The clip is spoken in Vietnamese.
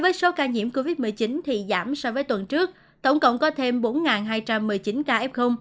với số ca nhiễm covid một mươi chín thì giảm so với tuần trước tổng cộng có thêm bốn hai trăm một mươi chín ca f